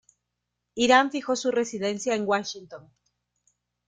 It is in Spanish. Hiram fijó su residencia en Washington.